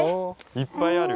いっぱいある？